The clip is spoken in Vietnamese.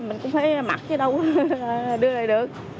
mình cũng thấy mặc chứ đâu đưa lại được